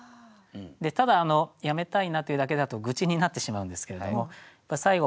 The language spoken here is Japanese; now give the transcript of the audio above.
でただ「やめたいな」というだけだと愚痴になってしまうんですけれども最後が「落花飛花」。